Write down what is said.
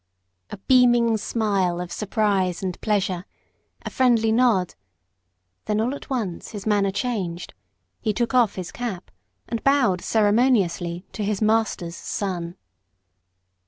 A beaming smile of surprise and pleasure, a friendly nod, then all at once his manner changed; he took off his cap, and bowed ceremoniously to his master's son.